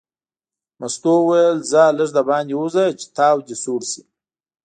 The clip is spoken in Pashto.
مستو وویل ځه لږ دباندې ووځه چې تاو دې سوړ شي.